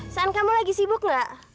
saat kamu lagi sibuk gak